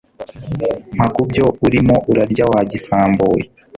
mpa kubyo urimo urarya wa gisambo we